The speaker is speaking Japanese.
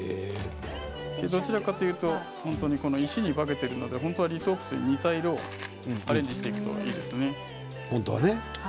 どちらかといえば石に化けているので本当はリトープスに似た色でアレンジしていけばいいですね。